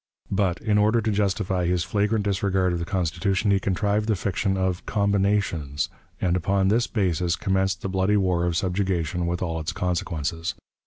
But, in order to justify his flagrant disregard of the Constitution, he contrived the fiction of "combinations," and upon this basis commenced the bloody war of subjugation with all its consequences.